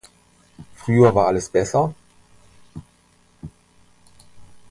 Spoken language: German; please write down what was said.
Früher war alles besser?